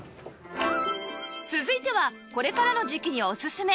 続いてはこれからの時期にオススメ！